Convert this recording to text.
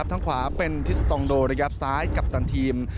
ทั้งขวาเป็นทิสตรองโดซ้ายกัปตันทีม